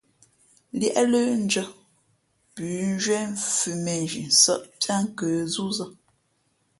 Liēʼ lə̌ndʉ̄ᾱ, pʉ̌nzhwē mfʉ̌ mēnzhi nsάʼ piá nkə̌ zúzᾱ.